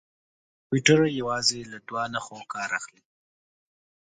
کمپیوټر یوازې له دوه نښو کار اخلي.